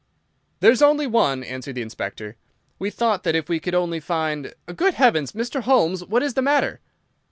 "There's only one," answered the Inspector. "We thought that if we could only find—Good heavens, Mr. Holmes! What is the matter?"